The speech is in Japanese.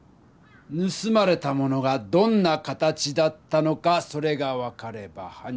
ぬすまれたものがどんな形だったのかそれが分かればはん